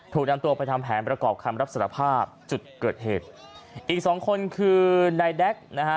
ถูกนำตัวไปทำแผนประกอบคำรับสารภาพจุดเกิดเหตุอีกสองคนคือนายแด๊กนะฮะ